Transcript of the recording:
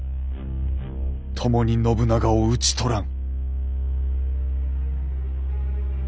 共に信長を討ち取らん」。